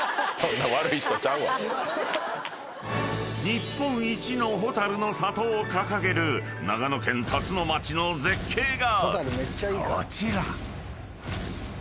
［日本一のホタルの里を掲げる長野県辰野町の絶景がこちら］